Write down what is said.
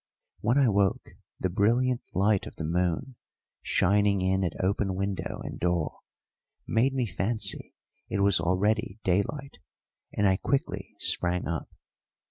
When I woke, the brilliant light of the moon, shining in at open window and door, made me fancy it was already daylight, and I quickly sprang up.